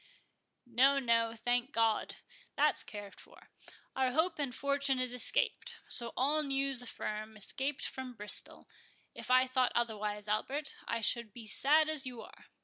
"No, no—thank God, that's cared for; our Hope and Fortune is escaped, so all news affirm, escaped from Bristol—if I thought otherwise, Albert, I should be as sad as you are.